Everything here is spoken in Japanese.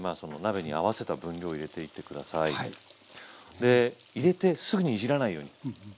で入れてすぐにいじらないように。